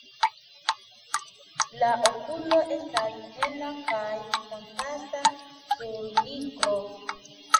La okulo estas hela kaj kontrasta sur nigro.